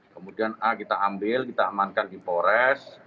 kemudian a kita ambil kita amankan di polres